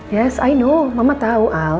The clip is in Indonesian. ya aku tahu mama tahu al